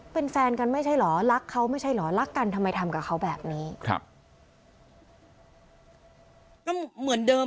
เป็นแฟนกันไม่ใช่เหรอรักเขาไม่ใช่เหรอรักกันทำไมทำกับเขาแบบนี้